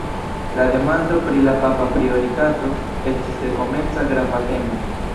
La demando pri la papa prioritato estis dekomenca grava temo.